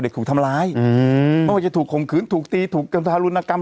เด็กถูกทำลายอืมไม่ว่าจะถูกข่มขืนถูกตีถูกกรรมภารุนกรรม